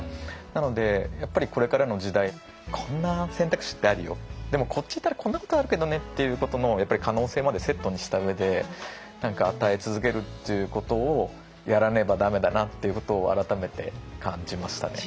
なのでやっぱりこれからの時代こんな選択肢ってあるよでもこっち行ったらこんなことあるけどねっていうことのやっぱり可能性までセットにした上で何か与え続けるっていうことをやらねば駄目だなっていうことを改めて感じましたね。